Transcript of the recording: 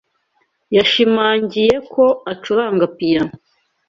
Yashimangiye ko acuranga piyano.